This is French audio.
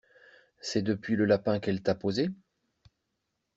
C'est depuis le lapin qu'elle t'a posé?